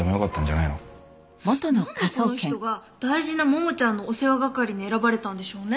なんでこの人が大事なももちゃんのお世話係に選ばれたんでしょうね？